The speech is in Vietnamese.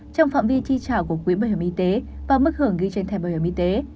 trong phạm vi chi trả của quỹ bảo hiểm y tế và mức hưởng ghi trên thẻ bảo hiểm y tế